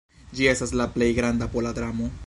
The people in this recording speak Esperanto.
Ĝi estas la plej granda pola dramo.